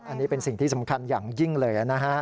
อันนี้เป็นสิ่งที่สำคัญอย่างยิ่งเลยนะฮะ